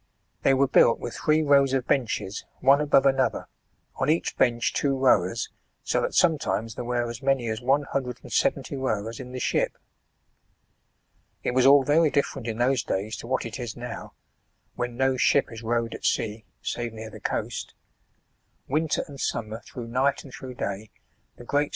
They were built with three rows of benches, one above another, on each bench two rowers, so that sometimes there were as many as one hundred and seventy rowers in the ship. It was all tery different in those days to what it is now, when no ship is rowed at sea, save near B.C. 396.] THE GAULS. 151 the coast.